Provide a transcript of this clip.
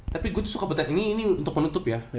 tapi gue tuh suka betek ini untuk menutup ya